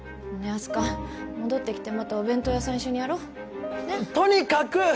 あす花戻ってきてまたお弁当屋さん一緒にやろうとにかく！